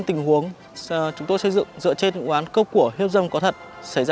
thì việc gặp bất chắc là điều có khả năng sẽ xảy ra